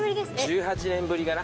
１８年ぶりかな？